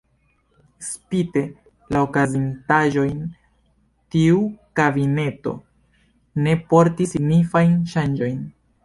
Spite la okazintaĵojn, tiu kabineto ne portis signifajn ŝanĝojn.